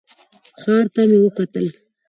ښار ته مې وکتل.